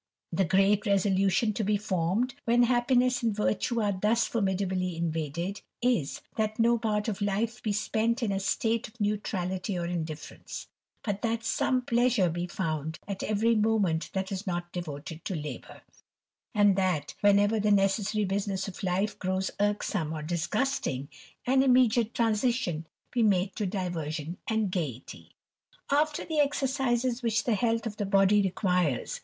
The great resolution to be formed, when happiness ai virtue are thus formidably invaded, is, that no part of li be spent in a state of neutrality or indifference ; but tb some pleasure be found for every moment that is ni devoted to labour ; and that, whenever the necessoi business of life grows irksome or disgusting, an immediaB transition be made to diversion and gaiety. After the exercises which the health of the body requires!